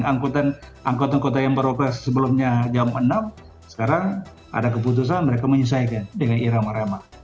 angkutan angkutan kota yang beroperasi sebelumnya jam enam sekarang ada keputusan mereka menyelesaikan dengan irama rama